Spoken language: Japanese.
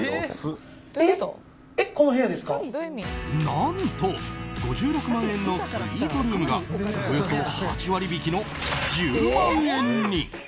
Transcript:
何と５６万円のスイートルームがおよそ８割引きの１０万円に！